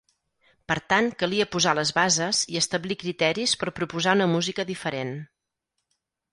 Per tant calia posar les bases i establir criteris per proposar una música diferent.